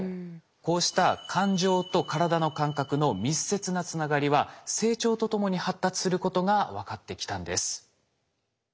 こうした感情と体の感覚の密接なつながりは成長とともに発達することが分かってきたんです。